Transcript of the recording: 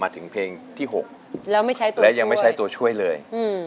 มาถึงเพลงที่๖แล้วยังไม่ใช้ตัวช่วยเลย